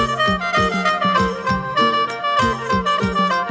สวัสดีครับสวัสดีครับ